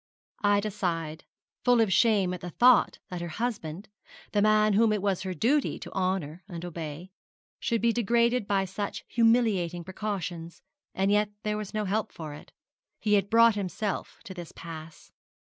Ida sighed, full of shame at the thought that her husband, the man whom it was her duty to honour and obey, should be degraded by such humiliating precautions; and yet there was no help for it. He had brought himself to this pass.